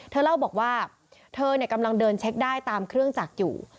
เธอเล่าบอกว่าเธอกำลังเดินเช็คได้ตามเครื่องจักรอยู่